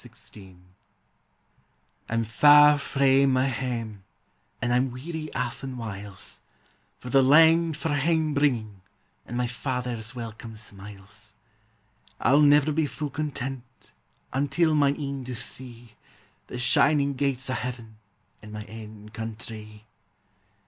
I 'm far frae my hame, an' I 'm wearv aften whiles, For the langed for hame bringing, an' my Father's welcome smiles ; I '11 never he fu' content, until mine een do see The shining gates o' heaven an' my ain couutree.